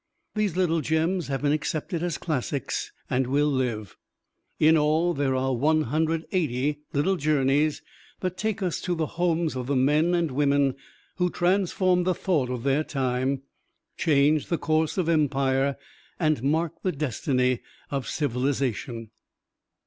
These little gems have been accepted as classics and will live. In all there are one hundred eighty Little Journeys that take us to the homes of the men and women who transformed the thought of their time, changed the course of empire, and marked the destiny of civilization.